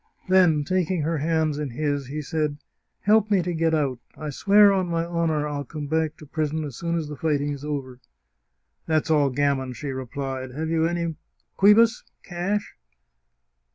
Then, taking her hands in his, he said: " Help me to get out ! I swear on my honour I'll come back to prison as soon as the fighting is over." " That's all gammon !" she replied. " Have you any quibus (cash)